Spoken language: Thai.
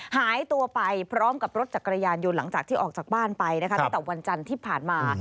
หายตัวไปพร้อมกับรถจักรยานยนต์หลังจากที่ออกจากบ้านไปนะคะตั้งแต่วันจันทร์ที่ผ่านมา